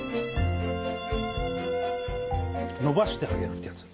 のばしてあげるってやつ。